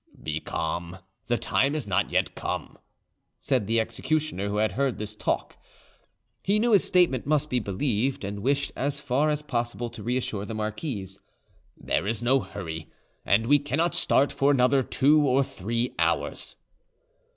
"Be calm; the time is not yet come," said the executioner, who had heard this talk. He knew his statement must be believed, and wished as far as possible to reassure the marquise. "There is no hurry, and we cannot start for another two of three hours."